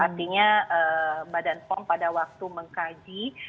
artinya badan pom pada waktu mengkaji